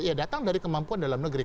ya datang dari kemampuan dalam negeri